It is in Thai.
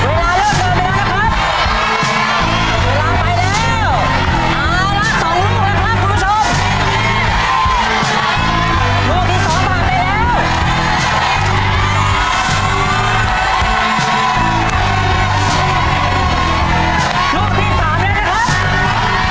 ลูกที่สามแล้วนะครับเวลาสองนาทีซึ่งจะสามารถทำภารกิจนี้ได้สำเร็จหรือไม่นะครับคุณผู้ชมมาจ่ายช่วยกัน